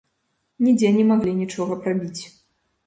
Нідзе не маглі нічога прабіць.